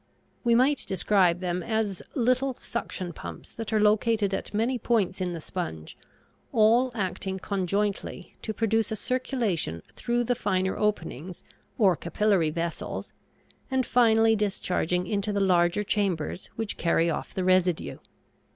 We might describe them as little suction pumps that are located at many points in the sponge, all acting conjointly to produce a circulation through the finer openings or capillary vessels and finally discharging into the larger chambers which carry off the residue.